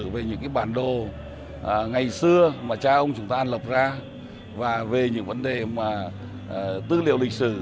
về những bản đồ ngày xưa mà cha ông chúng ta lập ra và về những vấn đề tư liệu lịch sử